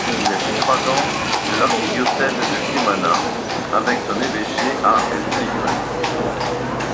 Il est suffragant de l'archidiocèse de Cumaná avec son évêché à El Tigre.